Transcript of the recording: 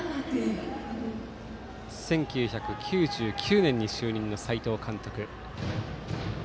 １９９９年に就任の斎藤監督。